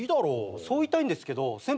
そう言いたいんですけど先輩